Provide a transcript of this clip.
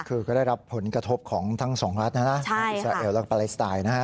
คือก็ได้รับผลกระทบของทั้งสองรัฐนะนะทั้งอิสราเอลแล้วก็ปาเลสไตล์นะฮะ